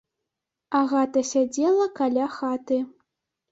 Агата сядзела каля хаты.